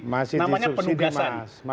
masih di subsidi mas